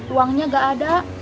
uangnya gak ada